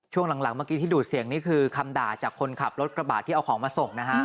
ช่วงหลังเมื่อกี้ที่ดูดเสียงนี่คือคำด่าจากคนขับรถกระบาดที่เอาของมาส่งนะฮะ